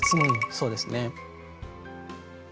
うんそうですね。